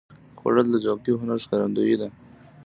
خوړل د ذوقي هنر ښکارندویي ده